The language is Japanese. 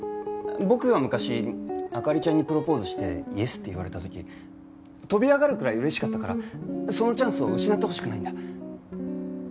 僕が昔灯ちゃんにプロポーズしてイエスって言われた時飛び上がるくらい嬉しかったからそのチャンスを失ってほしくないんだ。